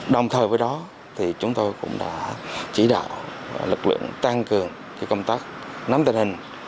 đồng thời với đó thì chúng tôi cũng đã chỉ đạo lực lượng tăng cường công tác nắm tình hình